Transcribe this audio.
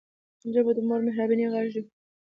ژبه د مور مهربانه غږ دی